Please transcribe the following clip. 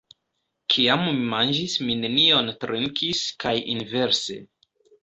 Kiam mi manĝis mi nenion trinkis kaj inverse.